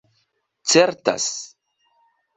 certas